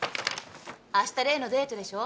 あした例のデートでしょ？